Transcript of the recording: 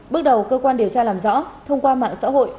bước đầu cơ quan điều tra làm rõ thông qua mạng xã hội